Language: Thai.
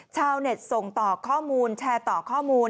ชาวเน็ตส่งต่อข้อมูลแชร์ต่อข้อมูล